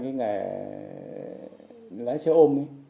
cái nghề lái xe ôm ý